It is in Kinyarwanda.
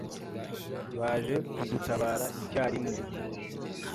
Baje kudutabara icyarimwe.